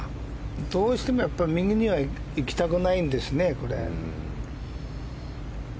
どうしても右には行きたくないんですね。